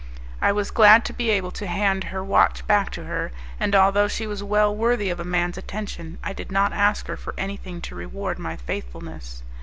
I was glad to be able to hand her watch back to her, and although she was well worthy of a man's attention I did not ask her for anything to reward my faithfulness.